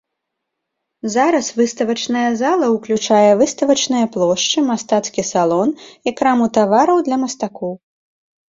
Зараз выставачная зала ўключае выставачныя плошчы, мастацкі салон і краму тавараў для мастакоў.